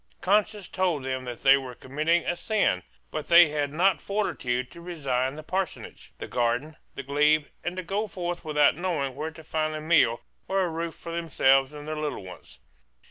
Conscience told them that they were committing a sin. But they had not fortitude to resign the parsonage, the garden, the glebe, and to go forth without knowing where to find a meal or a roof for themselves and their little ones.